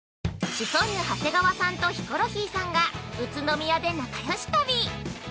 ◆シソンヌ・長谷川さんとヒコロヒーさんが宇都宮で仲よし旅！